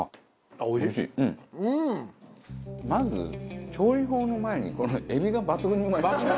まず調理法の前にこのエビが抜群にうまいですよね。